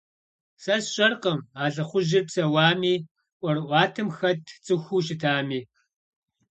Сэ сщӀэркъым, а лӀыхъужьыр псэуами ӀуэрыӀуатэм хэт цӀыхуу щытми.